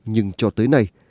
nhưng cho tới nay